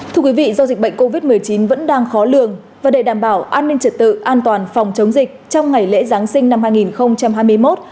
thưa quý vị do dịch bệnh covid một mươi chín vẫn đang khó lường và để đảm bảo an ninh trật tự an toàn phòng chống dịch trong ngày lễ giáng sinh năm hai nghìn hai mươi một